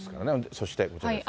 そしてこちらですが。